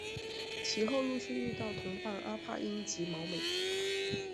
其后陆续遇到同伴阿帕因及毛美。